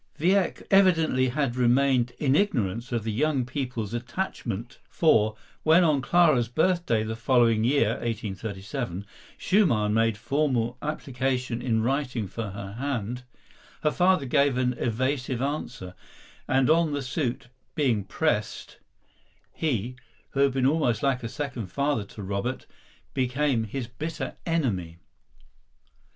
Wieck evidently had remained in ignorance of the young people's attachment, for, when on Clara's birthday the following year (1837) Schumann made formal application in writing for her hand, her father gave an evasive answer, and on the suit being pressed, he, who had been almost like a second father to Robert, became his bitter enemy.